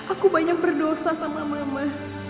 aku banyak berdosa sama mama